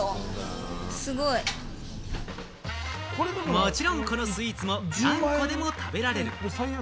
もちろんこのスイーツも何個でも食べられる。